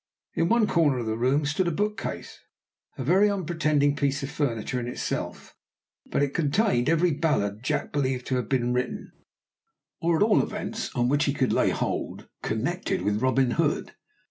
In one corner of the room stood a book case, a very unpretending piece of furniture in itself, but it contained every ballad Jack believed to have been written, or at all events on which he could lay hold, connected with Robin Hood.